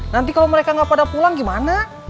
nanti kalau mereka nggak pada pulang gimana